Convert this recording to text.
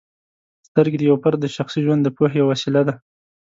سترګې د یو فرد د شخصي ژوند د پوهې یوه وسیله ده.